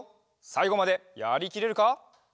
さいごまでやりきれるか？